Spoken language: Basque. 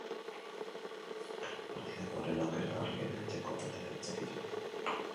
Partidako lehen aukera garbiena etxeko taldearentzat izan da.